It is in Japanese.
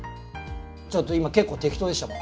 ちょっと今結構適当でしたもん。